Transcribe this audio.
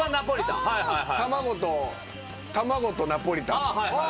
卵とナポリタン。